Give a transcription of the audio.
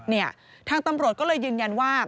เนี่ยทางตำรวจก็เลยยืนยันว่า